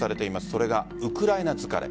それがウクライナ疲れ。